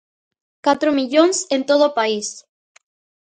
Catro millóns en todo o país.